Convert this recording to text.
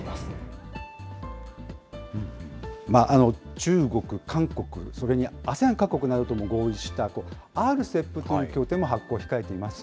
中国、韓国、それにＡＳＥＡＮ各国などとも合意したＲＣＥＰという協定も発効を控えています。